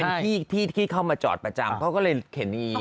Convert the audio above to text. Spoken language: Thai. เป็นที่ที่เข้ามาจอดประจำเขาก็เลยเข็นอีก